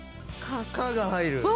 「カ」が入る。